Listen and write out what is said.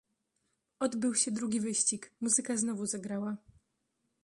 "Odbył się drugi wyścig, muzyka znowu zagrała."